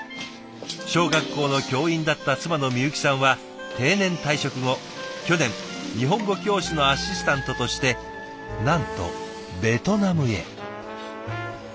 小学校の教員だった妻のみゆきさんは定年退職後去年日本語教師のアシスタントとしてなんとベトナムへ。